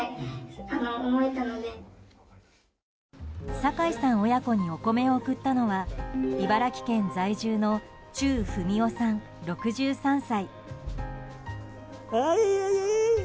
坂井さん親子にお米を送ったのは茨城県在住の忠文夫さん、６３歳。